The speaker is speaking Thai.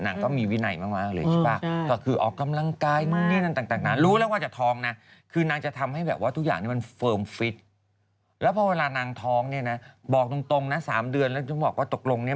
มันเป็นแบบรูปกรอกคอยความรูปจริงหรอยังไม่เห็นรูปร่างรูปไม่